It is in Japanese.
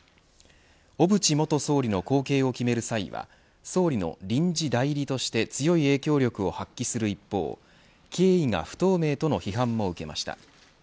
小渕元総理の後継を決める際は総理の臨時代理として強い影響力を発揮する一方経緯が不透明との批判を受けました。